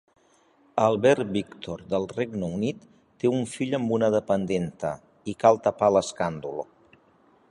Albert Víctor del Regne Unit té un fill amb una dependenta i cal tapar l'escàndol.